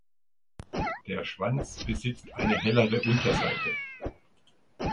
Der Schwanz besitzt eine hellere Unterseite.